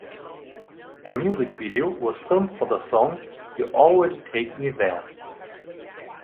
A music video was filmed for the song "You Already Take Me There".